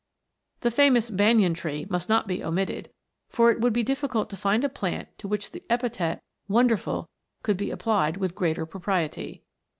The famous banyan tree must not be omitted, for it would be difficult to find a plant to which the epithet "wonderful" could be applied with greater propriety.